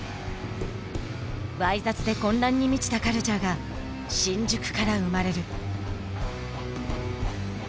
わい雑で混乱に満ちたカルチャーが新宿から生まれる。